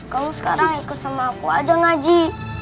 kamu sekarang ikut sama aku aja ngaji